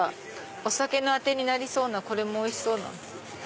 お酒のあてになりそうなこれもおいしそう。